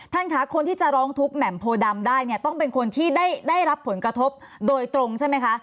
ค่ะคนที่จะร้องทุกข์แหม่มโพดำได้เนี่ยต้องเป็นคนที่ได้รับผลกระทบโดยตรงใช่ไหมคะ